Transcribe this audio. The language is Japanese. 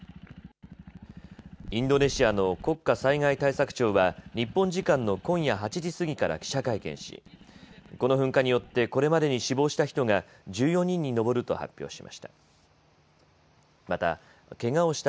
インドネシアの国家災害対策庁は日本時間の今夜８時過ぎから記者会見しこの噴火によってこれまでに死亡した人が１４人に上ると発表しました。